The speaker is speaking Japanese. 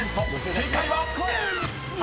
正解は⁉］